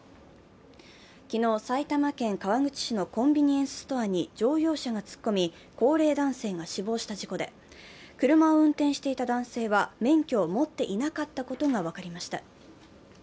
昨日、埼玉県川口市のコンビニエンスストアに乗用車が突っ込み高齢男性が死亡した事故で、車を運転していた男性は免許を持っていなかったことが分かりました。